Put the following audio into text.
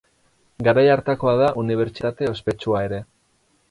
Garai hartakoa da Unibertsitate ospetsua ere.